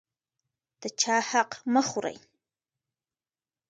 د چا حق مه خورئ.